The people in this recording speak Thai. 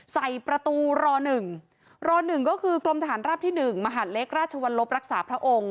ใส่ประตูร๑รอ๑ก็คือกรมทหารราบที่๑มหาดเล็กราชวรรลบรักษาพระองค์